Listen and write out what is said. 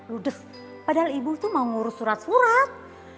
ludes padahal ibu itu mau ngurus surat surat